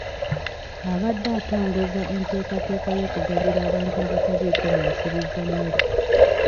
Abadde atongoza enteekateeka y’okugabira abantu abataliiko mwasirizi emmere .